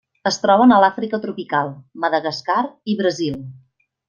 Es troben a l'Àfrica tropical, Madagascar i Brasil.